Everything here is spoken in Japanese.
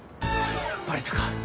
バレたか。